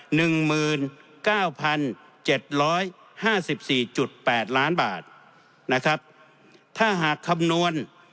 หนึ่งหมื่นเก้าพันเจ็ดร้อยห้าสิบสี่จุดแปดล้านบาทนะครับถ้าหากคำนวณ